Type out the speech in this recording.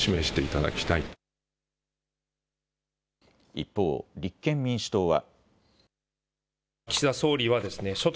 一方、立憲民主党は。